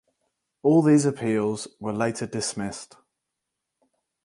All these appeals were later dismissed.